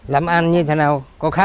làm ăn như thế nào có khá không